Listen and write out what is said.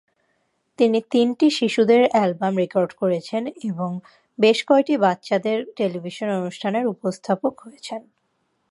তিনি তিনটি শিশুদের অ্যালবাম রেকর্ড করেছেন এবং বেশ কয়েকটি বাচ্চাদের টেলিভিশন অনুষ্ঠান এর উপস্থাপক হয়েছেন।